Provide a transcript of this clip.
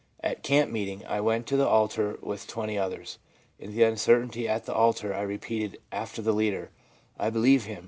At camp meeting I went to the altar with twenty others ; in the uncertainty at the altar I repeated after the leader, " I believe Him."